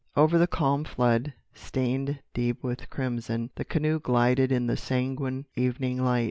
Over the calm flood, stained deep with crimson, the canoe glided in the sanguine evening light.